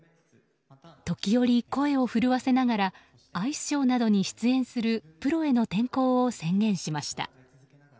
時折、声を震わせながらアイスショーなどに出演するプロへの転向を宣言しました。